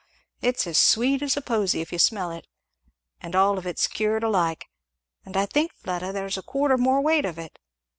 It's as sweet as a posie if you smell to it, and all of it's cured alike; and I think, Fleda, there's a quarter more weight of it.